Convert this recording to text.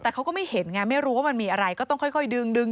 แต่เขาก็ไม่เห็นไงไม่รู้ว่ามันมีอะไรก็ต้องค่อยดึง